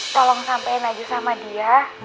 tolong sampein aja sama dia